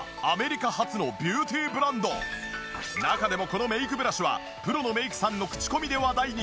中でもこのメイクブラシはプロのメイクさんの口コミで話題に。